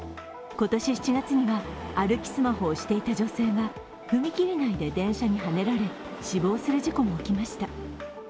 今年７月には歩きスマホをしていた女性が踏切内で電車にはねられ死亡する事故も起きました。